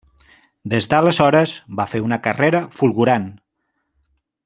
Des d'aleshores va fer una carrera fulgurant.